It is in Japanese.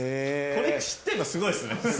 これ知ってるのすごいですね。